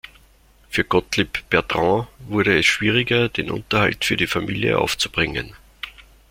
Für Gottlieb Bertrand wurde es schwieriger, den Unterhalt für die Familie aufzubringen.